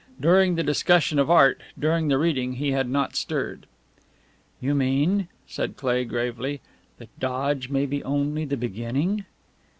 During the discussion of art, during the reading, he had not stirred. "You mean," said Cleigh, gravely, "that Dodge may be only the beginning?"